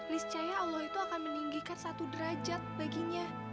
liscaya allah itu akan meninggikan satu derajat baginya